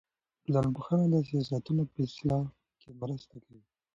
ټولنپوهنه د سیاستونو په اصلاح کې مرسته کوي.